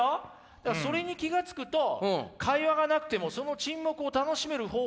だからそれに気が付くと会話がなくてもその沈黙を楽しめる方法